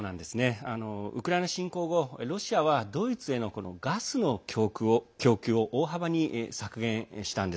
ウクライナ侵攻後ロシアはドイツへのガスの供給を大幅に削減しました。